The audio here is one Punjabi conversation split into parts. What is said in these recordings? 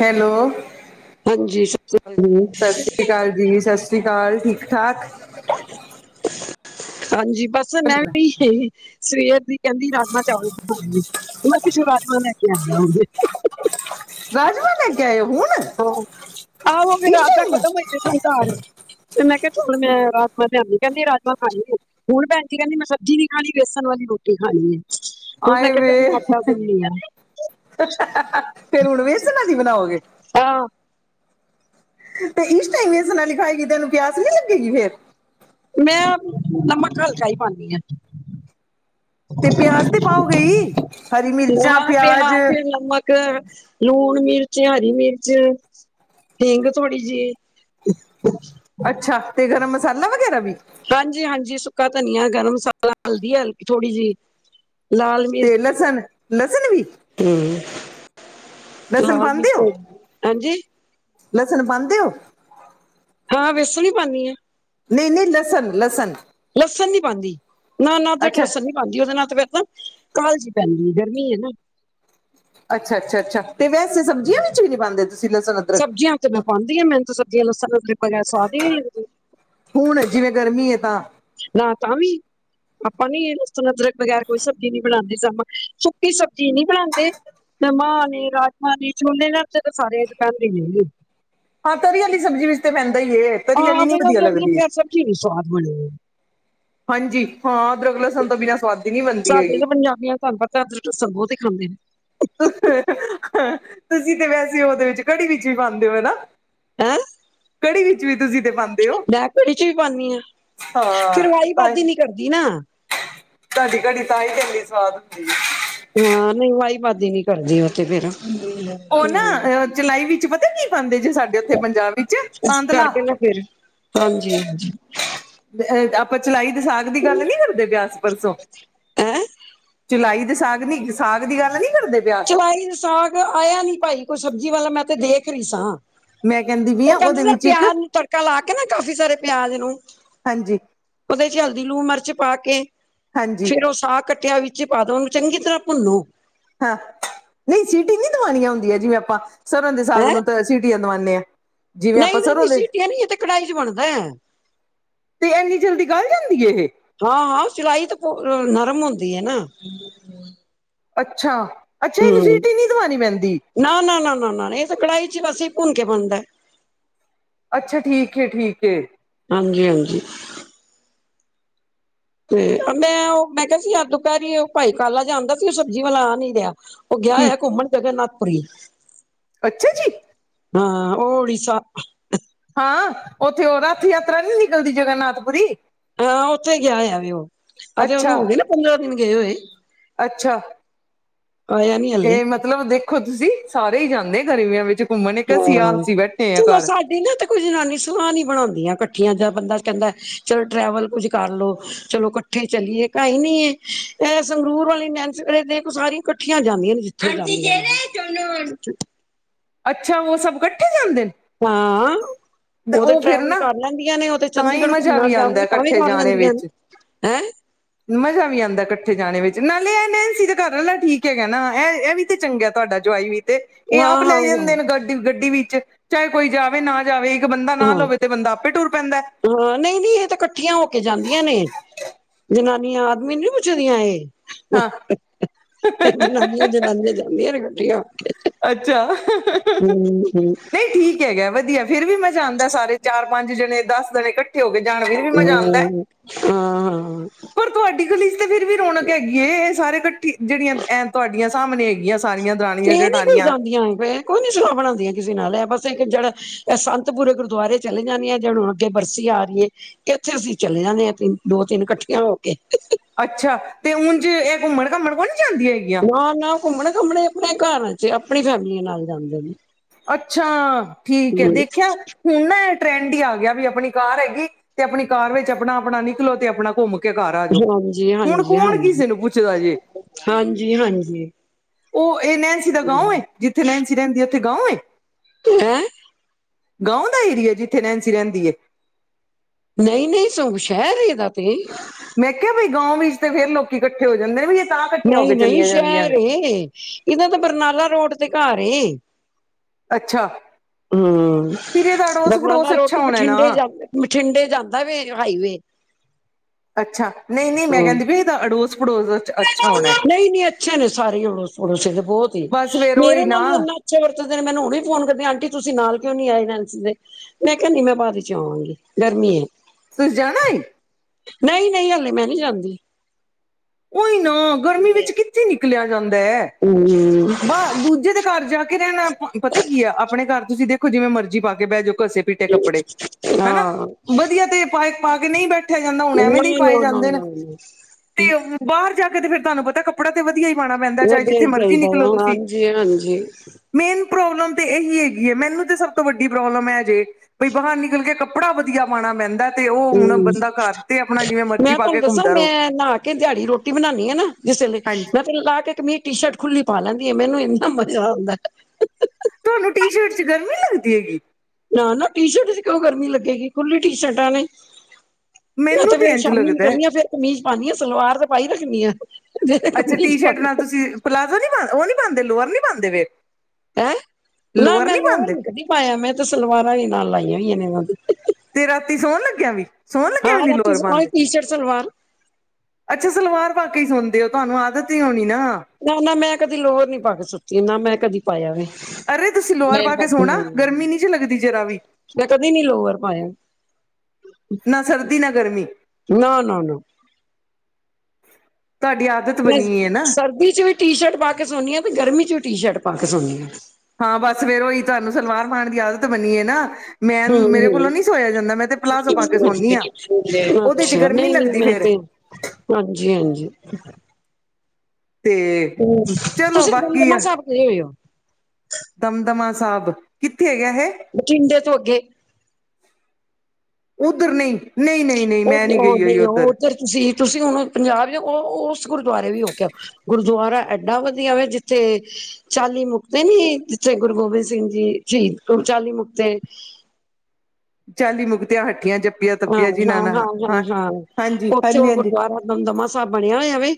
ਹੈਲੋ ਹਾਂਜੀ ਸਤਿ ਸ੍ਰੀ ਅਕਾਲ ਜੀ ਦੀਦੀ ਸਤਿ ਸ਼੍ਰੀ ਅਕਾਲ ਠੀਕ ਠਾਕ ਹਾਂਜੀ ਬਸ ਮੈਂ ਵੀ ਸਵੇਰ ਦੀ ਕਹਿੰਦੀ ਰਾਜਮਾਂ ਚਾਵਲ ਮੈਂ ਪਛੋਂ ਰਾਜਮਾਂ ਲੈ ਕੇ ਆਇਆਗੇ ਰਾਜਮਾ ਲੈ ਕੇ ਆਏ ਹੋ ਹੁਣ। ਆਹੋ ਫਿਰ ਇਸ ਰਾਤ ਤੱਕ ਟਾਈਮ ਖਤਮ ਹੋਈਦੇ ਸੂੰ ਘਰ ਤੇ ਮੈਂ ਕਿਹਾ ਚਲ ਮੈਂ ਰਾਜਮਹ ਲਿਆਉਦੀ ਕਹਿੰਦੀ ਰਾਜਮਾਂ ਖਾ ਹੁਣ ਭੈਣ ਜੀ ਕਹਿੰਦੀ ਮੈਂ ਸਬਜ਼ੀ ਨਹੀਂ ਖਾਣੀ ਬੇਸਣ ਵਾਲੀ ਰੋਟੀ ਖਾਣੀ ਹੈ ਹੁਣ ਮੈਂ ਆਏ ਕਿਹਾ ਆਟਾ ਗੁੰਦੀ ਆਂ। ਫੇਰ ਹੁਣ ਵੇਸਣਾ ਦੀ ਬਣਾਓਗੇ ਹਾਂ ਤੇ ਇਸ ਟਾਈਮ ਇਹ ਬੇਸਣ ਦੀ ਖਾਏਗੀ ਇਹਨੂੰ ਪਿਆਸ ਨੀ ਲੱਗੇਗੀ ਫੇਰ ਮੈਂ ਨਮਕ ਹਲਕਾ ਹੀ ਪਾਉਦੀ ਹਾਂ ਤੇ ਪਿਆਜ ਤੇ ਪਾਓਗੇ ਹਰੀ ਮਿਰਚਾਂ ਨਮਕ ਪਿਆਜ ਨਮਕ ਲੂਣ ਮਿਰਚ ਹਰੀ ਮਿਰਚ ਹਿੰਗ ਥੋੜੀ ਜਿਹੀ ਅੱਛਾ ਤੇ ਗਰਮ ਮਸਾਲਾ ਵਗੈਰਾ ਵੀ। ਹਾਂਜੀ, ਹਾਂਜੀ ਸੁੱਕਾ ਧਨੀਆ ਗਰਮ ਮਸਾਲਾ ਹਲਦੀ, ਹਲਦੀ ਥੋੜੀ ਜਿਹੀ। ਤੇ ਲਸਣ ਲਸਣ ਵੀ। ਹਮ ਲਸਣ ਪਉਦੇ ਹੋ, ਹਾਂਜੀ ਲਸਨ ਪਾਂਉਦੇ ਹੋ। ਹਾਂ ਵੇਸਣ ਹੀ ਪਾਉਂਦੀ ਹ। ਨਹੀਂ ਨਹੀਂ ਲਸਨ ਲਸਨ ਲਸਣ ਨੀ ਪਾਉਂਦੀ ਨਾ ਨਾ ਅਦਰਕ ਅੱਛਾ ਲਸਣ ਨ ਬਣਦੀ ਉਹਦੇ ਨਾਲ ਤੇ ਪਹਿ ਨਾ ਕਾਲਜ਼ੀ ਪੈਂਦੀ ਗਰਮੀ ਹੈ ਨਾ ਅੱਛਾ ਅੱਛਾ ਅੱਛਾ ਤੇ ਵੈਸੇ ਸਬਜ਼ੀਆਂ ਵਿੱਚ ਵੀ ਨੀ ਪਾਉਂਦੇ [unintelligible] ਤੁਸੀਂ ਲਸਣ ਅਦਰਕ ਸਬਜ਼ੀਆਂ ਤੇ ਮੈਂ ਪਾਉਂਦੀ ਹਾਂ ਮੈਨੂੰ ਸਬਜ਼ੀਆਂ ਲਸਣ ਤੋਂ ਬਿਨਾਂ ਸਵਾਦ ਨੀ ਲਗਦੀ ਹੁਣ ਜਿਵੇਂ ਗਰਮੀ ਹੈ ਤਾਂ ਨਾ ਤਾਂ ਵੀ ਆਪਾਂ ਨੀ ਅਦਰਕ ਬਗੈਰ ਕੋਈ ਸਬਜ਼ੀ ਨੀ ਬਣਾਉਂਦੇ ਸਮ ਸੁੱਕੀ ਸਬਜ਼ੀ ਨਹੀਂ ਬਣਾਉਂਦੇ ਤੇ ਮਾਂ ਨੇ ਰਾਜਮਾਂ ਨੇ ਛੋਲੇ ਨਾਲ ਤੇ ਤਾਂ ਸਾਰੇ ਪਹਦੇ ਨੇ ਹਾਂ ਤਰੀ ਵਾਲੀ ਸਬਜ਼ੀ ਵਿੱਚ ਤੇ ਪੈਂਦਾ ਈ ਏ ਤਰੀ ਵਾਲੀ ਹਾਂ ਨੀ ਫਿਰ ਵਧੀਆ ਉਹਨੇ ਲੱਗਦੀ। ਆਪਣਾ ਸਬਜੀ ਨਹੀਂ ਸਵਾਦ ਬਣਦੀ। ਹਾਂਜੀ ਹਾਂ ਅਦਰਕ ਲਸਣ ਤੋਂ ਬਿਨਾਂ ਸੁਵਾਦੀ ਨਹੀਂ ਬਣਦੀ ਸਾਡੇ ਹੈਗੀ ਤੇ ਪੰਜਾਬੀਆਂ ਦਾ ਤੁਹਾਨੂੰ ਪਤਾ। ਲਸਣ ਅਦਰਕ ਤਾਂ ਬਹੁਤ [unintelligible] ਖਾਂਦੇ ਨੇ। ਤੁਸੀਂ ਤੇ ਵੈਸੇ ਉਹਦੇ ਵਿੱਚ ਕੜੀ ਵਿੱਚ ਵੀ ਪਾਉਦੇ ਹੋ ਹਨਾ। ਹੈਂ ਪਾਉਂਦੇ ਹੋ ਮੈ ਕੜੀ ਚ ਵੀ ਪਾਦੀ ਹ। ਹਾਂ ਫਿਰ ਵਾਈ ਤਾਂ ਵਾਦੀ ਨੀ ਕਰਦੀ ਨਾ। ਤੁਹਾਡੀ ਕੜੀ ਤਾਹੀ ਤੇ ਇੰਨੀ ਸਵਾਦ ਹੁੰਦੀ। ਹਾਂ ਨਹੀਂ ਵਾਹੀ ਬਾਦੀ ਨੀ ਕਰਦੀ ਉਹ ਤੇ ਫੇਿਰ। ਉਹ ਨਾ ਚਲਾਈ ਵਿੱਚ ਪਤਾ ਕੀ ਪਾਦੇ ਜੇ ਸਾਡੇ ਉੱਥੇ ਪੰਜਾਬ ਵਿੱਚ ਇਸ ਤਾਨਦਲਾ। ਕਰਕੇ ਨਾ ਫੇਰ ਹਾਂਜੀ, ਹਾਂਜੀ। ਆਪਾਂ ਚਲਾਈ ਦ ਸਾਗ ਦੀ ਗੱਲ ਨੀ ਕਰਦੇ ਆਸ ਪਰਸੋਂ। ਹੈਂ ਚੁਲਾਈ ਤੇ ਸਾਗ ਨੀ ਸਾਗ ਦੀ ਗੱਲ ਨੀ ਕਰਦੇ ਪਿਆ। ਚਲਾਈ ਤੇ ਸਾਗ ਆਇਆ ਨੀ ਭਾਈ ਕੋਈ ਸਬਜ਼ੀ ਵਾਲਾ ਮੈਂ ਤੇ ਦੇਖ ਰਹੀ ਸਾਂ। ਮੈਂ ਕਹਿੰਦੀ ਪਈ ਉਹ ਆ ਕਹਿੰਦੇ ਉਹਦੇ ਸਰ ਵਿੱਚ ਇੱਕ ਪਿਆਜ ਨੂੰ ਤੜਕਾ ਲਾ ਕੇ ਨਾ ਕਾਫੀ ਸਾਰੇ ਪਿਆਜ ਨੂੰ। ਹਾਂਜੀ ਉਹਦੇ ਚ ਹਲਦੀ ਲੂਣ ਮਿਰਚ ਪਾ ਕੇ ਹਾਂਜੀ ਫੇਰ ਉਹ ਸਾਗ ਕੱਟਿਆ ਵੀ। ਵਿਚ ਪਾ ਦੋ ਨੂੰ ਚੰਗੀ ਤਰ੍ਹਾਂ ਭੁੰਨੋ। ਹਾਂ ਨਹੀਂ ਸੀਟੀ ਨਹੀਂ ਦਵਣੀਆਂ ਹੁੰਦੀਆ ਜਿਵੇਂ ਆਪਾਂ ਸਰੋ ਦੇ ਸਾਗ ਹੈਂ ਨੂੰ ਤਾਂ ਸਟੀਆਂ ਦਵਾਉਨੇ ਹਾਂ। ਜਿਵੇਂ ਆਪਾਂ ਨਹੀਂ ਭੈਣ ਸਰ੍ਹੋਂ ਜੀ ਦੇ ਸੀਟੀਆ ਨੀ ਇਹ ਤੇ ਕੜਾਹੀ ਚ ਬਣਦਾ। ਤੇ ਇੰਨੀ ਜਲਦੀ ਗੱਲ ਜਾਂਦੀ ਇਹ। ਹਾਂ-ਹਾਂ ਚਲਾਈ ਤਾਂ ਨਰਮ ਹੁੰਦੀ ਹੈ ਨਾ। ਅੱਛਾ, ਅੱਛਾ ਇਹਨੂ ਸੀਟੀ ਨੀ ਦਵਾਉਣੀ ਪੈਂਦੀ। ਨਾ-ਨਾ, ਨਾ-ਨਾ ਇਹ ਤਾਂ ਕੜਾਈ ਚ ਵੈਸੇ ਹੀ ਭੁੰਨ ਕੇ ਬੰਨਦਾ। ਅੱਛਾ ਠੀਕ ਹੈ, ਠੀਕ ਹੈ। ਹਾਂਜੀ-ਹਾਂਜੀ। ਤੇ ਮੈਂ ਉਹ ਮੈਂ ਕਿਹਾ ਸੀ ਦੁਪਹਿਰੀ ਉਹ ਭਾਈ ਕਾਲਾ ਜਿਹਾ ਆਂਦਾ ਸੀ ਉਹ ਸਬਜ਼ੀ ਵਾਲਾ ਆ ਨੀ ਰਿਹਾ। ਉਹ ਗਿਆ ਹਮ ਹੈ ਘੁੰਮਣ ਜਗਨਨਾਥ ਪੁਰੀ। ਅੱਛਾ ਜੀ। ਹਾ ਉਹ ਹਿਸਾਬ ਹਾਂ ਉੱਥੇ ਉਹ ਰਥ ਯਾਤਰਾ ਨੀ ਨਿਕਲਦੀ ਜਗਨਨਾਥਪੁਰੀ। ਹਾਂ ਉੱਥੇ ਗਿਆ ਹੋਇਆ ਵੇ ਉਹ ਅਜ ਉਹਨੂੰ ਅੱਛਾ ਹੋ ਗਏ ਪੰਦਰਾਂ ਦਿਨ ਗਏ ਹੋਏ। ਅੱਛਾ ਆਇਆ ਨੀ ਹਲੇ ਇਹ ਮਤ ਮਤਲਬ ਦੇਖੋ ਤੁਸੀਂ ਸਾਰੇ ਹੀ ਜਾਂਦੇ ਗਰਮੀਆਂ ਵਿੱਚ ਘੁੰਮਣ ਇੱਕ ਅਸੀਂ ਆਸੀ ਬੈਠੇ ਹ ਘਰ। ਇਹੀ ਨਾ ਤੇ ਕੋਈ ਜਨਾਨੀ ਸੁਹ ਨ ਬਣਾਉਂਦੀਆਂ ਇਕੱਠੀਆਂ ਜਾਂ ਬੰਦਾ ਕਹਿੰਦਾ ਚਲੋ ਟਰੈਵਲ ਕੁੱਝ ਕਰਲੋ ਚਲੋ ਕੱ ਕੱਠੇ ਚਲੀਏ ਕ ਹੀ ਨੀ ਹ ਸੰਗਰੂਰ ਵਾਲੀ ਨੈਨਸ ਦੇਖ ਸਾਰੀਆਂ ਕੱਠੀਆਂ ਜਾਂਦੀਆਂ ਨੇ ਜਿੱ [unintelligible] ਅੱਛਾ ਉਹ ਸਭ ਕੱਠੇ ਜਾਂਦੇ ਨੇ। ਹਾਂ ਉਹ ਤੇ ਟਰੈਵਲ ਕਰ ਲੈਂਦੀਆਂ ਨੇ ਉਹ ਤੇ ਤਾਂ ਹੀ ਚੰਡੀਗੜ੍ਹ ਮਜ਼ਾ ਘੁੰਮਣ ਵੀ ਆਉਂਦਾ ਜਾਵਗੇ ਤਾਂ ਵੀ ਇਕੱਠੇ ਕਰ ਜਾਣੇ ਲੈਂਦੀਆ ਵਿੱਚ ਹੈ। ਮਜ਼ਾ ਵੀ ਆਉਂਦਾ ਕੱਠੇ ਜਾਣੇ ਵਿੱਚ ਨਾਲੇ ਇਹ ਨੈਨਸੀ ਦਾ ਘਰ ਆਲਾ ਠੀਕ ਹੈਗਾ ਨਾ ਇਹ, ਇਹ ਵੀ ਤੇ ਚੰਗਾ ਤੁਹਾਡਾ ਜਵਾਈ ਵੀ ਤੇ ਇਹ ਹਾਂ ਆਪ ਹਾਂ ਲੈ ਹਾਂ ਜਾਂਦੇ ਨੇ ਗੱਡੀ, ਗੱਡੀ ਵਿੱਚ ਚਾਹੇ ਕੋਈ ਜਾਵੇ ਨਾ ਜਾਵੇ ਇੱਕ ਬੰਦਾ ਨਾ ਲਵੇ ਤੇ ਬੰਦਾ ਆਪੇ ਟੁਰ ਪੈਂਦਾ। ਹਾ ਨਹੀਂ-ਨਹੀਂ ਇਹ ਤਾਂ ਕੱਠੀਆ ਹੋ ਕੇ ਜਾਂਦੀਆ ਨੇ ਜਨਾਨੀਆ ਆਦਮੀ ਨੂੰ ਨੀ ਪੁੱਛਦੀਆਂ ਇਹ। ਹਾਂ ਜਨਾਨੀਆ-ਜਨਾਨੀਆਂ ਜਾਂਦੀਆਂ ਨੇ ਕੱਠੀਆ ਹੋ ਅੱਛਾ ਹਮ ਨਹੀਂ ਠੀ ਕ ਹੈਗਾ ਵਧੀਆ ਫੇਰ ਵੀ ਮਜ਼ਾ ਆਦਾ ਸਾਰੇ ਚਾਰ, ਪੰਜ ਜਣੇ ਦਸ ਜਣੇ ਕੱ ਠੇ ਹੋ ਵੀ ਜਾਣਗੇ। ਹੁ, ਹਾਂ। ਪਰ ਤੁਹਾਡੀ ਗਲੀ ਚ ਤੇ ਫਿਰ ਵੀ ਰੌਣਕ ਹੈਗੀ ਇਹ ਸਾਰੇਕੱਠੀ ਜਿਹੜੀਆ ਐ ਤੁਹਾਡੀਆਂ ਸਾਹਮਣੇ ਹੈਗੀਆ ਤੇ ਏਹ ਨੀ ਕੋਈ ਜਾਂਦੀਆ। ਕੋਈ ਨੀ ਸਲਾਹ ਬਣਾਉਂਦੀਆਂ ਕਿਸੇ ਨਾਲ ਹੈ ਬਸ ਇੱਕ ਜਿਹੜਾ ਇਹ ਸੰਤਪੁਰੇ ਗੁਰਦਆਰੇ ਚਲੇ ਜਾਂਦੀ ਹੈ ਜ ਹੁਣ। ਅੱਗੇ ਬਰਸੀ ਆ ਰਹੀ ਹੈ ਇੱਥੇ ਅਸੀਂ ਚਲੇ ਜਾਂਦੇ ਹ ਤਿੰਨ ਦੋ, ਤਿੰਨ ਕੱਠੀਆਂ ਹੋ ਕੇ। ਅੱਛਾ ਤੇ ਉਝ ਇਹ ਘੁੰਮਣ ਕਾਮਣ ਕੋੌਣੀ ਜਾਂਦੀ ਹੈਗੀ। ਹਾਂ ਨਾ ਉਹ ਘੁੰਮਣੇ ਘੁੰਮਣੇ ਆਪਣੇ ਘਰਾਂ ਚ ਆਪਣੀ ਫੈਮਲੀ ਨਾਲ ਜਾਂਦੇ ਨੇ। ਅੱਛਾ ਠੀਕ ਹੈ ਹੂੰ ਦੇਖਿਆ ਹੁਣ ਨਾ ਇਹ ਟਰੈਂਡ ਹੀ ਆ ਗਿਆ ਵੀ ਆਪਣੀ ਕਾਰ ਹੈਗੀ ਤੇ ਆਪਣੀ ਕਾਰ ਵਿੱਚ ਆਪਣਾ-ਆਪਣਾ ਨਿਕਲੋ ਤੇ ਆਪਣਾ ਘੁੰਮ ਕੇ ਘਰ ਆ ਜਾਓ, ਹਾਂਜੀ ਹੁਣ ਹਾਂਜੀ ਕੌਣ ਹਾਂਜੀ ਕਿਸੇ ਨੂੰ ਪੁੱਛਦਾ ਜੇ। ਹਾਂਜੀ ਹਾਂਜੀ ਉਹ ਇਹ ਨੈਨਸੀ ਦਾ ਗਾਉ ਹੈ, ਜਿੱਥੇ ਨੈਨਸੀ ਰਹਿੰਦੀ ਹੈ ਉੱਥੇ ਗਾਉ ਏ। ਹੈ ਗਾਉ ਦਾ ਏਰੀਆ ਜਿੱਥੇ ਨੈਨਸੀ ਰਹਿੰਦੀ ਹੈ। ਨਹੀਂ-ਨਹੀਂ ਸ ਸ਼ਹਿਰ ਏਦਾ ਤੇ। ਮੈਂ ਕਿਹਾ ਵੀਈ ਗਾਉ ਵਿੱਚ ਤੇ ਫੇਰ ਲੋਕੀ ਇਕੱਠੇ ਹੋ ਜਾਂਦੇ ਵੀ ਤਾਂ ਇਕੱਠੀਆਂ ਹੋ ਕੇ ਨਹੀਂ-ਨਹੀਂ ਚਲੀਆਂ ਜਾਂਦੀਆਂ ਸ਼ਹਿਰ ਨੇ ਏ ਇਹਨਾਂ ਦਾ ਬਰਨਾਲਾ ਰੋਡ ਤੇ ਘਰ ਏ। ਅੱਛਾ ਹਮ ਫਿਰ ਇਹਦਾ ਅੜੋਸ ਬਰਨਾਲਾ ਪੜੋਸ ਰੋਡ ਅੱਛਾ ਤੇ ਹੋਣਾ ਨਾ ਬਠਿੰਡੇ ਜਾਂਦੇ ਬਠਿੰਡੇ ਜਾਂਦਾ ਵੇ ਹਾਈਵੇ। ਅੱਛਾ ਨਹੀਂ-ਨਹੀਂ ਮੈਂ ਹੂੰ, ਕਹਿੰਦੀ ਪੀ ਸੀ ਇਹਦਾ ਅੜੋਸ-ਪੜੋਸ ਨਹੀਂ-ਨਹੀਂ ਅੱਛੇ ਨੇ ਸਾਰੇ - ਤੇ ਬਹੁਤ ਹੀ ਬਸ ਫੇਰ ਮੇਰੇ ਉਹੀ ਨਾ ਨਾਲ ਇੰਨਾ ਵਰਤਦੇ ਨੇ ਮੈਨੂੰ ਹੁਣ ਫੋਨ ਕਰਦੀ ਆਂਟੀ ਤੁਸੀਂ ਨਾਲ ਕਿਉਂ ਨੀ ਆਏ ਨੈਂਸੀ ਦੇ ਮੈਂ ਕਿਹਾ ਨਹੀ, ਮੈਂ ਬਾਅਦ ਚ ਆਵਾਂਗੀ ਗਰਮੀ ਹੈ ਤੁਸੀ ਜਾਣਾ ਏ- ਨਹੀਂ ਨਹੀਂ, ਹਲੇ ਮੈਂ ਨਹੀਂ ਜਾਂਦੀ। ਉਹੀ ਨਾ, ਗਰਮੀ ਵਿੱਚ ਕਿੱਥੇ ਨਿਕਲਿਆ ਜਾਂਦਾ ਹੈ ਹਮ ਹਮ ਬਾਹਰ ਦੂਜੇ ਦੇ ਘਰ ਜਾ ਕੇ ਰਹਿਣਾ ਪਤਾ ਕੀ ਆ, ਆਪਣੇ ਘਰ ਤੁਸੀਂ ਦੇਖੋ ਜਿਵੇਂ ਮਰਜੀ ਪਾ ਕੇ ਬਹਿ ਜਾਓ ਘਸੇ ਪੀਟੇ ਕੱਪੜੇ ਹਨਾ, ਹਾਂ ਵਧੀਆ ਤੇ ਪਾਏ ਪਾ ਕੇ ਨਹੀਂ ਬੈਠਿਆ ਜਾਂਦਾ ਹੁਣ ਐਵੇਂ ਦੇ ਪਾਏ ਜਾਂਦੇ ਨੇ ਹਮ ਤੇ ਬਾਹਰ ਜਾ ਕੇ ਫ਼ਿਰ ਤੁਹਾਨੂੰ ਪਤਾ ਕੱਪੜਾ ਤੇ ਵਧੀਆ ਹੀ ਪਾਉਣਾ ਪੈਂਦਾ, ਚਾਹ ਜਥੇ ਮਰਜ਼ੀ ਨਿਕਲੋ ਤੁਸੀਂ ਹਾਂਜੀ ਹਾਂਜੀ ਮੇਨ ਪ੍ਰੋਬਲਮ ਤੇ ਇਹੀ ਹੈਗੀ ਹੈ ਮੈਨੂੰ ਤਾਂ ਸਭ ਤੋਂ ਵੱਡੀ ਪ੍ਰੋਬਲਮ ਹੈ ਜੇ ਬਈ ਬਾਹਰ ਨਿਕਲ ਕੇ ਕੱਪੜਾ ਵਧੀਆ ਪਾਉਣਾ ਪੈਂਦਾ ਤੇ ਉਹ ਹੁਣ ਹਮ ਬੰਦਾ ਘਰ ਤੇ ਆਪਣਾ ਜਿਵੇਂ ਮਰਜ਼ੀ ਮੈਂ ਪਾ ਤੁਹਾਨੂੰ ਕੇ ਦੱਸਾਂ ਘੁੰਮਦਾ ਰਹੋ ਮੈਂ ਨਾਹਾ ਕੇ ਦਿਹਾੜੀ ਰੋਟੀ ਬਣਾਉਾਨਣੀ ਆ ਨਾ ਜਿਸ ਵੇਲੇ, ਹਾਂਜੀ ਮੈਂ ਤੇ ਲਾ ਕੇ ਕਮੀਜ, ਟੀ ਸ਼ਰਟ ਖੁੱਲੀ ਪਾ ਲੈਂਦੀ ਆ ਮੈਨੂੰ ਇੰਨਾ ਮਜ਼ਾ ਆਉਂਦਾ। ਤੁਹਾਨੂੰ ਟੀ ਸ਼ਰਟ ਚ ਗਰਮੀ ਨੀ ਲੱਗਦੀ ਹੈਗੀ। ਨਾ ਨਾ ਟੀ ਸ਼ਰਟ ਚ ਕਿਉਂ ਗਰਮੀ ਲੱਗੇਗੀ, ਖੁੱਲੀ ਟੀ ਸ਼ਰਟਾਂ ਨੇ ਮੈਂ ਤੇ ਮੈਨੂੰ ਫੇਰ ਇੰਝ ਸ਼ਾਮੀ ਲੱਗਦਾ ਹੈ। ਨਿਕਲਣੀ ਆ ਫੇਰ ਕਮੀਜ਼ ਪਾਉਣੀ ਆ ਸਲਵਾਰ ਤੇ ਪਾਈ ਰੱਖਣੀ ਆ। ਫੇਰ ਅੱਛਾ ਟੀ ਕਮੀਜ਼ ਸ਼ਰਟ ਪਾਈ ਨਾਲ ਤੁਸੀਂ ਪਲਾਜ਼ੋ ਨਹੀਂ ਪਾ ਉਹ ਨਹੀਂ ਪਾਉਂਦੇ ਲੋਅਰ ਨਹੀਂ ਪਾਉਂਦੇ ਫਿਰ ਹੈਂ, ਨਾ ਮੈਂ ਲੋਰ ਨ ਕਦੀ ਪਾਇਆ ਮੈਂ ਤੇ ਸਲਵਾਰਾਂ ਵੀ ਨਾਲ ਲਾਈਆਂ ਹੋਈਆਂ ਨੇ ਉਹਨਾਂ ਦੀ ਤੇ ਰਾਤੀ ਸੌਣ ਲੱਗਿਆ ਵੀ, ਸੌਣ ਲੱਗਿਆ ਵੀ ਹਾਂ ਨੀ ਰਾਤੀ ਲੋਰ ਸੋਈ ਪਾਂਦੇ ਟੀ ਸ਼ਰਟ ਸਲਵਾਰ ਅੱਛਾ ਸਲਵਾਰ ਪਾ ਕੇ ਹੀ ਸੌਦੇ ਹੋ ਤੁਹਾਨੂੰ ਆਦਤ ਹੀ ਹੋਣੀ ਨਾ ਨਾ ਨਾ ਮੈਂ ਕਦੀ ਲੋਵਰ ਨੀ ਪਾ ਕੇ ਸੁੱਤੀ, ਨਾ ਮੈਂ ਕਦੀ ਪਾਇਆ ਵੇ ਅਰੇ ਤੁਸੀਂ ਲੋਅਰ ਪਾ ਕੇ ਸੋਣਾ ਗਰਮੀ ਨੀ ਜੀ ਲੱਗਦੀ ਜਰਾ ਵੀ, ਮੈਂ ਕਦੇ ਨੀ ਲੋਵਰ ਪਾਇਆ- ਨਾ ਸਰਦੀ ਨਾ ਗਰਮੀ ਨਾ ਨਾ ਨਾ ਤੁਹਾਡੀ ਆ, ਮੈਂ ਸਰਦੀ ਚ ਵੀ ਟੀ ਸ਼ਰਟ ਪਾ ਕੇ ਸੌਦੀ ਹਾਂ ਤੇ ਗਰਮੀ ਚ ਵੀ ਟੀ ਸ਼ਰਟ ਪਾ ਕੇ ਸੌਦੀ ਹਾਂ ਹਾਂ ਬਸ ਫੇਰ ਉ ਹੀ, ਤੁਹਾਨੂੰ ਸਲਵਾਰ ਪਾਉਣ ਦੀ ਆਦਤ ਬਨੀ ਏ ਨਾ ਮੈਂ ਮੇਰੇ ਕੋਲੋਂ ਹੂੰ-ਹੂੰ, ਨਹੀਂ ਸੋਇਆ ਜਾਂਦਾ ਮੈਂ ਤੇ ਪਲਾਜ਼ੋ ਪਾ ਕੇ ਸੋਦੀ ਹਾਂ, ਉਹਦੇ ਚ ਗਰਮੀ ਲੱਗਦੀ ਫੇਿਰ ਹਾਂਜੀ ਹਾਂਜੀ। ਤੇ ਤੇ ਚਲੋ ਤੁਸੀਂ ਦਮ ਬਾਕੀ ਦਮਾ ਆ ਸਾਹਿਬ ਗਏ ਹੋਏ ਹੋ ਦਮਦਮਾ ਸਾਹਿਬ, ਕਿੱਥੇ ਹੈ ਏਹ? ਬਠਿੰਡੇ ਤੋਂ ਅੱਗੇ, ਉੱਧਰ ਨਹੀਂ-ਨਹੀਂ-ਨਹੀਂ, ਨਹੀਂ ਉਹ ਮੈਂ ਨਹੀਂੀ ਗਈ ਹੋਈ ਨਹੀਂ ਉਹ ਉੱਧਰ, ਤੁਸੀਂ, ਤੁਸੀਂ ਹੁਣ ਪੰਜਾਬ ਉਹ ਉਸ ਗੁਰਦੁਆਰੇ ਵੀ ਹੋਕੇ ਹੋ, ਗੁਰਦੁਆਰਾ ਐਏਡਾ ਵਧੀਆ ਵ ਜਿੱਥੇ ਚਾਲੀ ਮੁਕਤੇ ਨੀ, ਜਿੱਥੇ ਗੁਰੂ ਗੋਬਿੰਦ ਸਿੰਘ ਜੀ ਸ਼ਹੀਦ ਚਾਲੀ ਮੁਕਤੇ ਚਾਲੀ ਮੁਕਤਿਆਂ ਹੱਟੀਆਂ ਜ ਹਾਂ, ਹਾਂ, ਹਾਂ, ਹਾਂ, ਹਾਂ, ਹਾਂਜੀ ਉੱਥੇ ਹਾਂਜੀ ਉਹ ਹਾਂਜੀ ਗੁਰਦੁਆਰਾ ਦਮਦਮਾ ਸਾਹਿਬ ਬਣਿਆ ਹੋਇਆ ਵੇ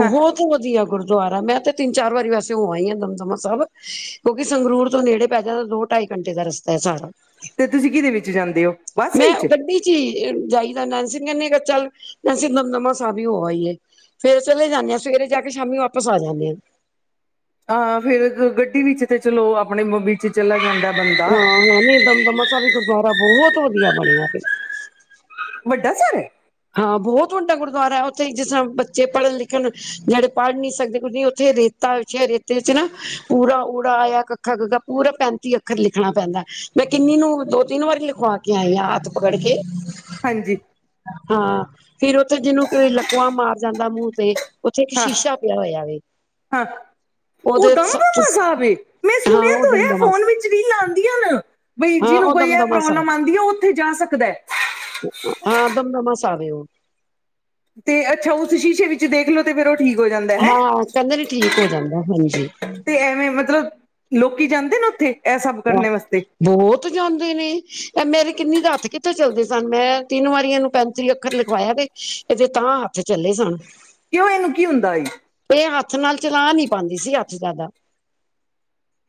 ਹਾਂ ਵਧੀਆ ਗੁਰਦੁਆਰਾ, ਮੈਂ ਤੇ ਤਿੰਨ ਚਾਰ ਵਾਰੀ ਵੈਸੇ ਹੋਵ ਹੀ ਹਾਂ ਦਮਦਮਾ ਸਹਿਬ ਕਿਉਂਕਿ ਸੰਗਰੂਰ ਤੋਂ ਨੇੜੇ ਪੈ ਜਾਂਦਾ, ਦੋ ਢਾਈ ਘੰਟੇ ਦਾ ਰਸਤਾ ਹੈ ਸਾਰਾ ਤੇ ਤੁਸੀਂ ਕਿਹਦੇ ਵਿੱਚ ਜਾਂਦੇ ਹੋ। ਬੱਸ ਮੈਂ ਵਿੱਚ ਗੱਡੀ ਚ ਹੀ ਜਾਈਦਾ, ਨੈਂਸੀ ਨੂੰ ਕਹਿੰਦੀ ਚੱਲ ਨੈਂਸੀ ਦਮਦਮਾ ਸਾਬ ਹੀ ਹੋ ਆਇਐ। ਫੇਰ ਚਲੇ ਜਾਂਦੇ ਹਾ, ਸਵੇਰੇ ਜਾ ਕੇ ਸ਼ਾਮੀ ਵਾਪਸ ਆ ਜਾਂਦੇ ਹਾਂ। ਹਾਂ ਫੇਿਰ ਗੱਡੀ ਵਿੱਚ ਤੇ, ਚਲੋ ਆਪਣੇ ਵਿੱਚ ਚਲਾ ਜਾਂਦਾ ਬੰਦਾ [unintelligible] ਵੀ ਗੁਰਦੁਆਰਾ ਬਹੁਤ ਵਧੀਆ ਬਣਿਆ ਤੇ ਵੱਡਾ ਸਾਰਾ। ਹਾਂ ਬਹੁਤ ਵੱਡਾ ਗੁਰਦੁਆਰਾ ਹੈ ਉੱਥੇ ਜਿਸ ਤਰ੍ਹਾਂ ਬੱਚੇ ਪੜ੍ਹਨ ਲਿਖਣ ਜਿਹੜੇ ਪੜ੍ਹ ਨੀ ਸਕਦੇ ਕੁੱਝ ਨਹੀਂ ਉੱਥੇ ਰੇ ਰੇਤਾੱਛੇ ਰੇਤੇ ਚ ਨਾ ਪੂਰਾ ੜਾ ਆਇਆ ਕੱਖਾ ਗਗਾਾ ਪੂਰਾ ਪੈਂਤੀ ਅੱਖਰ ਲਿਖਣਾ ਪੈਂਦਾ। ਮੈਂ ਕਿੰਨੀ ਨੂੰ ਦੋ ਤਿੰਨ ਵਾਰੀ ਲਿਖਵਾ ਕੇ ਆਈ ਹ ਹੱਥ ਪਕੜ ਕੇ ਹਾਂਜੀ, ਹਾਂ ਫੇਰ ਉੱਥੇ ਜਿਹਨੂੰ ਕਿ ਲਕਵਾ ਮਾਰ ਜਾਂਦਾ ਮੂੰਹ ਤੇ ਉੱਥੇ ਇੱਕ ਹਾਂ ਸ਼ੀਸ਼ਾ ਪਿਆ ਹੋਇਆ ਵ ਹਾਂ ਉਹ ਦਮਦਮਾ ਸਾਬ ਏਮੈਂ ਹਾਂ ਸੁਣਿਆ ਉਹ ਹੋਇਆ ਦਮਦਮਾ ਫੋਨ ਵਿੱਚ ਰੀਲਾ ਆਉਂਦੀਆਂ ਨ ਬਈ ਹਾਂ ਜਿਹਨੂੰ ਉਹ ਕੋਈ ਇਹ ਦਮਦਮਾ ਪ੍ਰੋਬਲਮ ਸਾਹਿਬ ਆਉਂਦੀ ਹੈ ਉਹ ਉੱਥੇ ਜਾ ਸਕਦਾ ਹੈ। ਹਾਂ ਦਮਦਮਾ ਸਾਬ ਆ ਉਹ ਤੇ ਅੱਛਾ ਉਸ ਸ਼ੀਸ਼ੇ ਵਿੱਚ ਤੁ ਦੇਖਲੋ ਤੇ ਫੇਰ ਉਹ ਠੀਕ ਹੋ ਜਾਂਦਾ ਹੈ। ਹਾਂ ਕਹਿੰਦੇ ਨੇ ਠੀਕ ਹੋ ਜਾਂਦਾ ਹਾਂਜੀ ਤੇ ਐਵੇਂ ਮਤਲਬ ਲੋਕੀ ਜਾਂਦੇ ਨੇ ਉੱਥੇ ਇਹ ਸਭ ਕਰਨੇ ਵਾਸਤੇ [unintelligible] ਬੋਤ ਜਾਂਦੇ ਨੇ ਮੇਰੀ ਕਿੰਨੀ ਦਾ ਹੱਥ ਕਿੱਥੇ ਚੱਲਦੇ ਸਨ ਮੈਂ ਤਿੰਨ ਵਾਰੀਆਂ ਨੂੰ ਪੈਂਤੀ, ਪੱਖਰ ਲਿਖਵਾਇਆ ਤੇ, ਇਹ ਤੇ ਤਾਂ ਹੱਥ ਚੱਲੇ ਸਨ। ਕਿਓਂ ਏਨੂੰ ਕੀ ਹੁੰਦਾ ਏ ਇਹ ਹੱਥ ਨਾਲ ਚਲਾ ਨਹੀਂ ਪਾਉਂਦੀ ਸੀ ਹੱਥ ਜ਼ਿਆਦਾ।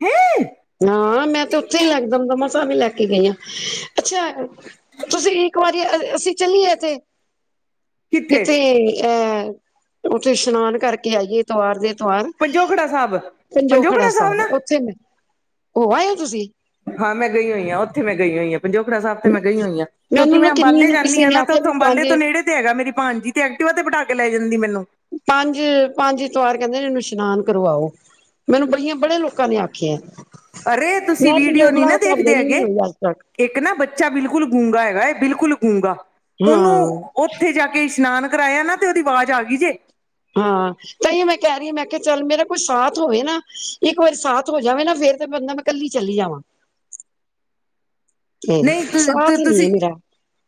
ਹੈਂ [inaudible] ਹਾਂ ਮੈਂ ਤੇ ਤੁਸੀਂ ਲੱਗਦਾ ਅੰਬਰਸਰ ਨੀ ਲੈ ਕੇ ਗਈਆਂ ਅੱਛਾ। ਤੁਸੀਂ ਇੱਕ ਵਾਰੀ ਅਸੀਂ ਚੱਲੀਏ ਇੱਥੇ ਕਿੱਥੇ ਕਿਥੇ ਅਹ ਉੱਥੇ ਇਸ਼ਨਾਨ ਕਰਕੇ ਆਈਏ ਤਵਰ ਦੇ ਤਵਾਰ, ਪੰਜੋਖੜਾ ਸਾਹਿਬ ਪੰਜੋ ਖੜਾ ਪੰਜੋਖੜਾ ਸਾਹਿਬ ਨਾ ਉੱਥੇ ਹੋ ਆਏ ਓ ਤੁਸੀਂ ਹਾਂ ਮੈਂ ਗਈ ਹੋਈ ਹਾਂ ਉੱਥੇ ਮੈਂ ਗਈ ਹੋਈ ਹਾਂ। ਪੰਜੋਖੜਾ ਸਾਬ ਤੇ ਮੈਂ ਗਈ ਹੋਈਆਂ ਕਿਉਂਕਿ ਮੈਨੂੰ ਨਾ ਮੈਂ ਕਿੰਨੀ ਅੰਬਾਲੇ ਨੂੰ ਜਾਂਦੀ ਕਿਸੇ ਹਾਂ ਨੇ ਨਾ ਤੇ ਆਖਿਆ ਉਥ ਵੀ ਅੰਬਾਲੇ ਪੰਜ ਨੇੜੇ ਤੇ ਹੈਗਾ ਮੇਰੀ ਭਾਣ ਜੀ ਤੇ ਐਕਟਿਵਾ ਤੇ ਬਿਠਾ ਕੇ ਲੈ ਜਾਂਦੀ ਮੈਨੂੰ, ਪੰਜ, ਪੰਜ ਇਤਵਾਰ ਕਹਿੰਦੇ ਇਹਨੂੰ ਇਸ਼ਨਾਨ ਕਰਵਾਓ। ਮੈਨੂੰ ਬਹੀਆਂ ਬੜੇ ਲੋਕਾਂ ਨੇ ਆਖਿਆ। ਅਰੇ ਮੈਂ ਤੁਸੀਂ ਵੀਡੀਓ ਨੀ ਪੰਜੋਖੜਾ ਨਾ ਸਾਹਿਬ ਦੇਖਦੇ ਗਈ ਨੀ ਹੈਗੇ। ਹੋਈ ਅੱਜ ਤੱਕ ਇੱਕ ਨਾ ਬੱਚਾ ਬਿਲਕੁਲ ਗੂੰਗਾ ਹੈਗਾ ਹੈ, ਬਿਲਕੁਲ ਗੂੰਗਾ ਉਹਨੂੰ ਹਾਂ। ਉੱਥੇ ਜਾ ਕੇ ਇਸ਼ਨਾਨ ਕਰਾਇਆ ਨਾ ਤੇ ਉਹਦੀ ਆਵਾਜ਼ ਆ ਗਈ ਜੇ, ਹਾਂ, ਤਾਂਹੀ ਮੈਂ ਕਹਿ ਰਹੀ ਐ, ਮੈਂ ਕਿਹਾ ਚੱਲ ਮੇਰਾ ਕੋਈ ਸਾਥ ਹੋਵੇ ਨਾ ਇੱਕ ਵਾਰੀ ਸਾਥ ਹੋ ਜਾਵੇ ਨਾ, ਫੇਰ ਤੇ ਬੰਦਾ ਮੈਂ ਕੱਲੀ ਚੱਲੀ ਜਾਵਾਂ ਤੇ ਨਹੀਂ ਤੁ ਸਾਥ ਹੀ ਨਹੀਂ ਤੁਸੀਂ ਹੈ ਮੇਰਾ।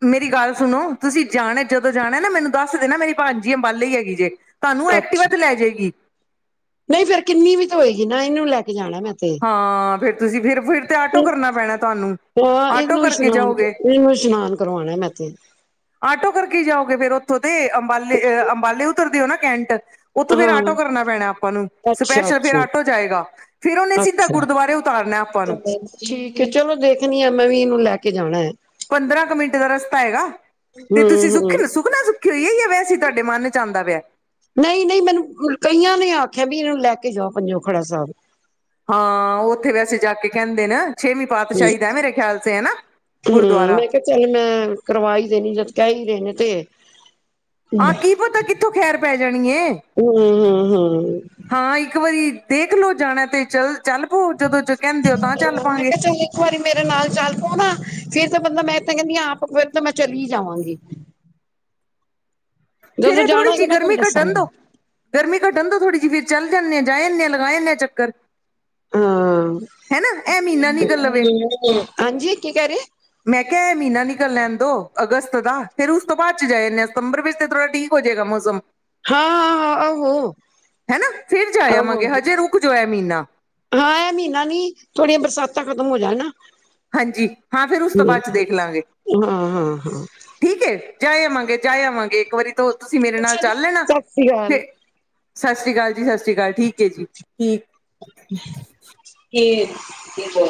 ਮੇਰੀ ਗੱਲ ਸੁਨੋ ਤੁਸੀ ਜਾਣਾ, ਜਦੋ ਜਾਣਾ ਏ ਮੈਨੂੰ ਦੱਸ ਦੇਨਾ ਮੇਰੀ ਭਾਨਜੀ ਅੰਬਾਲੇ ਈ ਹੇਗੀ ਜੇ। ਤੁਹਾਨੂੰ ਐਕਟੀਵਾ ਅੱਛਾ ਤੇ ਲੈ ਜਾਏਗੀ। ਨਹੀਂ ਫ਼ੇਰ ਕਿੰਨੀ ਵੀ ਤਾਂ ਹੋਏਗੀ ਨਾ, ਇਹਨੂੰ ਲੈ ਕੇ ਜਾਣਾ ਮੈਂ ਤੇ ਹਾਂ ਫਿਰ ਤੁਸੀ ਫਿਰ ਫਿਰ ਤੇ ਆਟੋ ਕਰਨਾ ਪੈਣਾ ਤਾਨੂੰ। ਹਾਂ ਏਨੂੰ ਇਸ਼ਨਾਨ ਤੇ, ਏਨੂੰ ਇਸ਼ਨਾਨ ਕਰਵਾਨਾ ਮੈਂ ਤੇ ਆਟੋ ਕਰਕੇ ਜਾਓਗੇ ਫੇਰ ਉੱਥੋਂ ਤੇ ਅੰਬਾਲੇ ਅੰਬਾਲੇ ਉਤਰਦੇ ਹੋ ਨਾ ਕੈਂਟ? ਓਥੋਂ ਫੇਰ ਹਾਂ ਆਟੋ ਕਰਨਾ ਪੈਣਾ ਆਪਾਂ ਨੂੰ ਅੱਛਾ ਸਪੈਸ਼ਲ ਫੇਰ ਅੱਛਾ ਆਟੋ ਜਾਏਗਾ ਫੇਰ ਓਨੇ ਠੀਕ ਐ ਚਲੋ ਦੇਖਨੀ ਆ ਮੈਂ ਵੀ ਇਹਨੂੰ ਲੈ ਕੇ ਜਾਣਾ ਐ। ਪੰਦਰਾਂ ਕੁ ਮਿੰਟ ਦਾ ਰਸਤਾ ਹੈਗਾ ਤੇ ਹੂੰ ਤੁਸੀ ਹੂੰ ਸੁੱਖੀ ਸੁਖਨਾ ਸੁ ਠੀਕ ਐ ਵੈਸੇ ਤਾਡੇ ਮਨ ਚ ਆਂਦਾ ਪੇਆ। ਨਈ ਨਈ, ਮੈਨੂੰ ਕਈਆਂ ਨੇ ਆਖਿਐ ਵੀ ਇਹਨੂੰ ਲੈ ਕੇ ਜਾਓ ਪੰਜੋਖੜਾ ਸਾਬ। ਹਾਂ ਓਹ ਤੇ ਵੈਸੇ ਜਾ ਕੇ ਕਹਿੰਦੇ ਨ ਛੇਵੀ ਪਾਤਸ਼ਾਈ ਦਾ ਏ ਮੇਰੇ ਖਿਆਲ ਸੇ ਹਨਾ ਹੂੰ ਗੁਰੂਦੁਆਰਾ। ਮੈਂ ਕਿਹਾ ਚੱਲ ਮੈਂ ਕਰਵਾਈ ਦੇਣੀ, ਜਦ ਕਹਿ ਹੀ ਰਹੇ ਨੇ, ਤੇ ਆ ਕੀ ਪਤਾ ਕਿੱਥੋਂ ਖੈਰ ਪੈ ਜਾਨੀ ਐ। ਹੂੰ ਹੂੰ ਹੂੰ ਹਾਂ ਇੱਕ ਵਰੀ, ਦੇਖ ਲੋ ਜਾਣਾ ਤੇ ਚੱਲ ਪੋ ਚੱਲ ਪੋ ਜਦੋਂ ਜੌ ਕਹਿੰਦੇ ਓ ਤਾਂ ਚੱਲ ਮੈਂ ਪਾਂਗੇ। ਕਿਹਾ ਚੱਲ ਇੱਕ ਵਾਰੀ ਮੇਰੇ ਨਾਲ ਚੱਲ ਪੋ ਨਾ, ਫਿਰ ਤੇ ਬੰਦਾ ਮੈਂ ਤੇ ਕਹਿੰਦੀ ਆ ਆਪ ਫਿਰ ਤਾਂ ਮੈਂ ਚਲੀ ਜਾਵਾਂਗੀ। ਫਿਰ ਜਦੋਂ ਇਹ ਥੋੜੀ ਜਾਣਾ ਜੀ ਹੋਏਗਾ ਮੈਂ ਗਰਮੀ ਤੁਹਾਨੂੰ ਘਟਨ ਦੱਸਾਂਗੀ ਦੋ। ਗਰਮੀ ਘੱਟਨ ਦੌ ਥੋੜ੍ਹੀ ਜੀ ਫਿਰ ਚੱਲ ਜਾਂਨੇ ਆ ਜਾਏ ਆਨੇ ਹਾਂ ਲਗਾਏ ਆਨੇ ਆ ਚੱਕਰ। ਹਾਂ, ਹਨਾ ਇਹ ਮਹੀਨਾ ਨਿਕਲ ਲਵੇ। ਹਾਂਜੀ ਕੀ ਕੈਰਏ? ਮੈਂ ਕਿਆ ਐ ਮੀਨਾ ਨਿਕਲ ਲੈਣ ਦੋ ਅਗਸਤ ਦਾ, ਫੇਰ ਉਸ ਤੋਂ ਬਾਅਦ ਚ ਜਾ ਜਾਂਦੇ ਹਾਂ ਸਤੰਬਰ ਵਿੱਚ ਤੇ ਥੋੜਾ ਠੀਕ ਹੋ ਜਾਏਗਾ ਮੌਸਮ। ਹਾਂ ਹਾਂ ਹਾਂ ਆਹੋ ਹੈਨਾ ਫਿਰ ਜਾ ਆਹੋ ਯਾਵਾਂਗੇ ਹਜੇ ਰੁਕ ਜਾਔ ਐ ਮੀਨਾ। ਹਾਂ ਐ ਮਹੀਨਾ ਨੀ, ਥੋੜੀਆਂ ਬਰਸਾਤਾਂ ਖ਼ਤਮ ਹੋ ਜਾ ਨਾ। ਹਾਂਜੀ ਹਾਂ ਫੇਰ ਉਸ ਤੋਂ ਬਾਅਦ ਚ ਦੇਖ ਲਾਂਗੇ। ਹਾਂ ਹਾਂ ਠੀਕ ਏ ਜਾਏ ਆਵਾਂਗੇ- ਜਾਏ ਆਵਾਂਗੇ ਇੱਕ ਵਾਰੀ ਤੋਂ ਤੁਸੀਂ ਮੇਰੇ ਨਾਲ ਅੱਛਾ ਜੀ ਚੱਲ ਲੈਨਾ, ਸਤਿ ਸ੍ਰੀ ਅਕਾਲ ਤੇ। ਸਾਸ ਸ਼੍ਰੀ ਕਾਲ ਜੀ-ਸਾਸ ਸ਼੍ਰੀ ਕਾਲ ਠੀਕ ਏ ਜੀ, ਠੀਕ। [unintelligible]